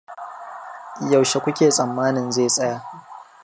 Yaushe ku ke tsammanin zai tsaya?